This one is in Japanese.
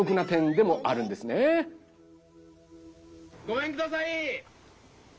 ごめんください！